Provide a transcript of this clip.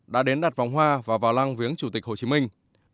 đã đến đặt vòng hoa và vào lăng viếng chủ tịch hồ chí minh